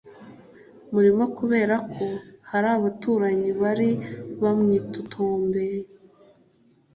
murimo kubera ko hari abaturanyi bari bawitotombeye